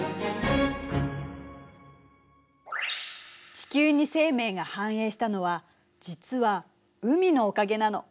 地球に生命が繁栄したのは実は海のおかげなの。